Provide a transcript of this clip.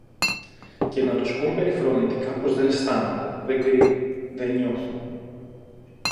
και να τους πουν περιφρονητικά πως δεν αισθάνονται, δεν κρίνουν, δε νιώθουν.